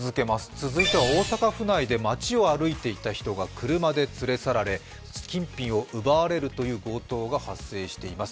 続いては大阪府内で街を歩いていた人が車で連れ去られ金品を奪われるという強盗事件が発生しています。